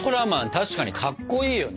確かにかっこいいよね。